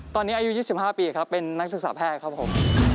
ตอนนี้อายุ๒๕ปีครับเป็นนักศึกษาแพทย์ครับผม